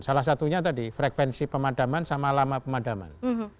salah satunya tadi frekuensi pemadaman sama lama pemadaman